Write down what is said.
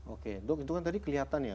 ok dok itu tadi kelihatan ya